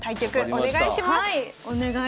お願いします！